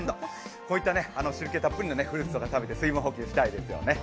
こういった汁気たっぷりのフルーツを食べて水分補給をしたいですよね。